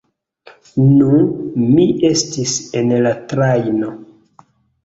Nu, mi estis en la trajno...